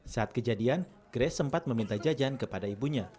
saat kejadian grace sempat meminta jajan kepada ibunya